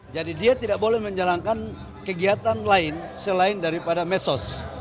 jadi dia tidak boleh menjalankan kegiatan lain selain daripada mesos